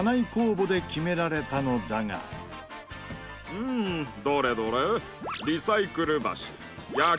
うーんどれどれ。